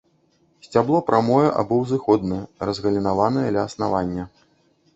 Сцябло прамое або узыходнае, разгалінаванае ля аснавання.